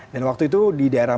dan waktu itu di daerah